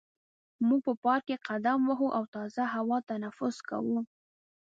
موږ په پارک کې قدم وهو او تازه هوا تنفس کوو.